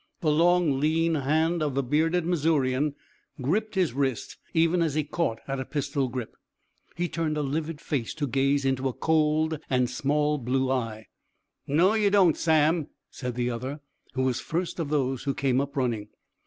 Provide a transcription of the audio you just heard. The long, lean hand of the bearded Missourian gripped his wrist even as he caught at a pistol grip. He turned a livid face to gaze into a cold and small blue eye. "No, ye don't, Sam!" said the other, who was first of those who came up running.